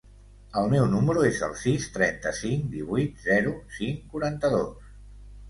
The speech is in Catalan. El meu número es el sis, trenta-cinc, divuit, zero, cinc, quaranta-dos.